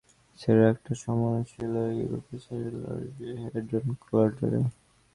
সেটার একটা সম্ভাবনা ছিল ইউরোপের সার্নে অবস্থিত লার্জ হেড্রন কলাইডারে।